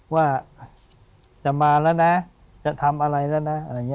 ว่าจะมาแล้วนะจะทำอะไรแล้วนะ